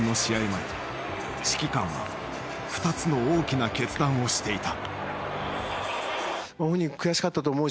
前指揮官は２つの大きな決断をしていた。